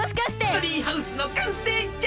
ツリーハウスのかんせいじゃ！